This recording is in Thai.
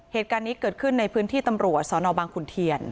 เหตุการณ์นี้เกิดขึ้นในพื้นที่ตำรวจสนบางขุนเทียน